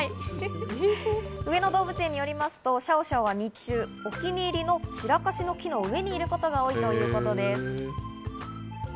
上野動物園によりますとシャオシャオは日中、お気に入りのシラカシの木の上にいることが多いといいます。